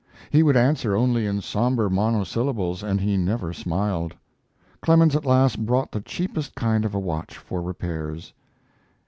He would answer only in somber monosyllables, and he never smiled. Clemens at last brought the cheapest kind of a watch for repairs.